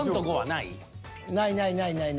ないないないない。